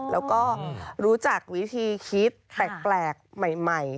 แล้วก็รู้จักวิธีคิดแปลกใหม่